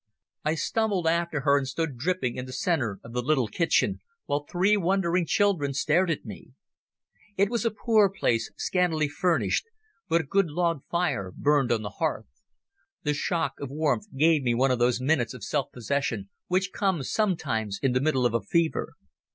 I stumbled after her and stood dripping in the centre of the little kitchen, while three wondering children stared at me. It was a poor place, scantily furnished, but a good log fire burned on the hearth. The shock of warmth gave me one of those minutes of self possession which comes sometimes in the middle of a fever.